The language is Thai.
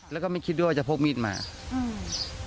แล้วก็ไม่คิดด้วยว่าจะพกมีดมาอืม